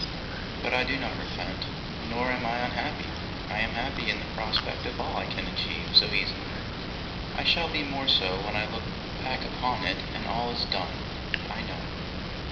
But I do not repent, nor am I unhappy. I am happy in the prospect of all I can achieve so easily. I shall be more so when I look back upon it, and all is done, I know.